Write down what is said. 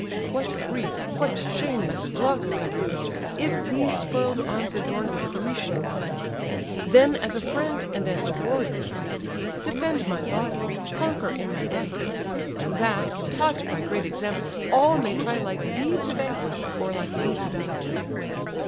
What grief, what shame, must Glaucus undergo, If these spoil'd arms adorn a Grecian foe! Then as a friend, and as a warrior fight; Defend my body, conquer in my right: That, taught by great examples, all may try Like thee to vanquish, or like me to die."